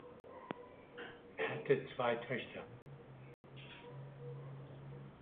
Er hatte zwei Töchter.